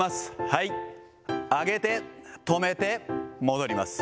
はい、上げて、止めて、戻ります。